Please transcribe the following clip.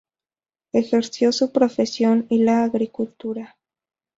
Ejerció su profesión y la agricultura.